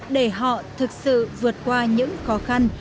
để họ thực sự vượt qua những khó khăn